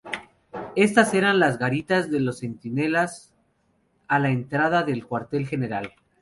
Estas eran las garitas de los centinelas a la entrada del Cuartel General.